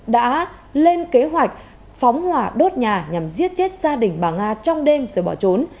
đã lên kế hoạch phóng hỏa đốt nhà nhằm giết chết gia đình bà nga trong đêm rồi bỏ trốn